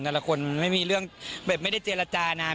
แต่ละคนมันไม่มีเรื่องแบบไม่ได้เจรจานาน